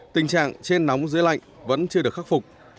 tình trạng trên nóng dưới lạnh vẫn chưa được khắc phục